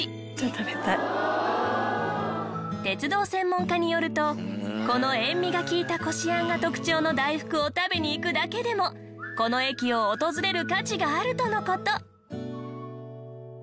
鉄道専門家によるとこの塩味が利いたこしあんが特徴の大福を食べに行くだけでもこの駅を訪れる価値があるとの事。